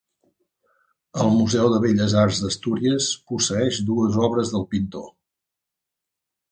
El Museu de Belles Arts d'Astúries posseeix dues obres del pintor.